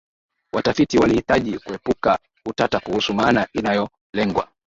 watafiti walihitaji kuepuka utata kuhusu maana inayolengwa